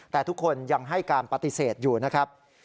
แต่ทุกคนยังให้การปฏิเสธอยู่นะครับ